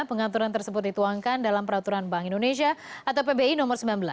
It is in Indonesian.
pengaturan tersebut dituangkan dalam peraturan bank indonesia atau pbi nomor sembilan belas